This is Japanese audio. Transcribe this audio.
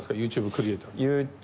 クリエイター。